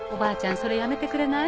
それやめてくれない？